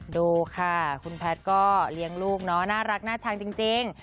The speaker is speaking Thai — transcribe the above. ดูค่ะคุณแพทย์ก็เลี้ยงลูกเนาะน่ารักน่าชังจริง